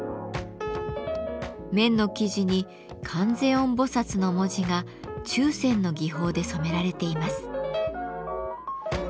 綿の生地に「観世音菩薩」の文字が注染の技法で染められています。